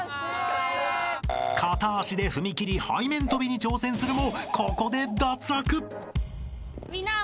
［片足で踏み切り背面跳びに挑戦するもここで脱落］